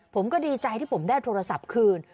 ผมก็ดีใจที่ผมได้โทรศัพท์คืน